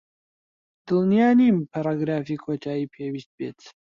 دڵنیا نیم پەرەگرافی کۆتایی پێویست بێت.